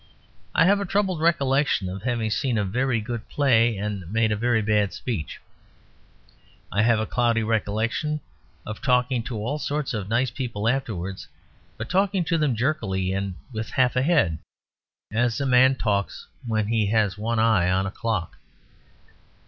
I have a troubled recollection of having seen a very good play and made a very bad speech; I have a cloudy recollection of talking to all sorts of nice people afterwards, but talking to them jerkily and with half a head, as a man talks when he has one eye on a clock.